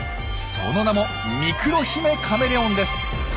その名もミクロヒメカメレオンです。